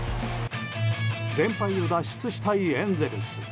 連敗脱出したいエンゼルス。